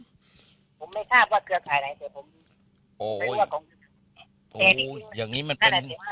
ผมไม่ทราบว่าเครือข่ายไหนแต่ผมโอ้โหอย่างงี้มันเป็น